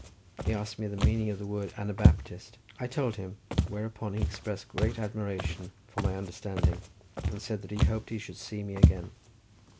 He asked me the meaning of the word Anabaptist; I told him; whereupon he expressed great admiration for my understanding, and said that he hoped he should see me again.